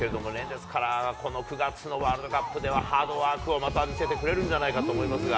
ですから、この９月のワールドカップではハードワークをまた見せてくれるんじゃないかなと思いますが。